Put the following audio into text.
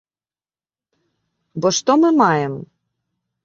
Бо што мы маем?